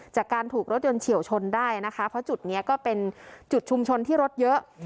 จากการถูกรถยนต์เฉียวชนได้นะคะเพราะจุดนี้ก็เป็นจุดชุมชนที่รถเยอะ